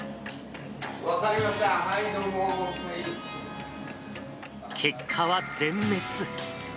分かりました、はい、結果は全滅。